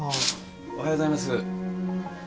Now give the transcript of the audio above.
おはようございます。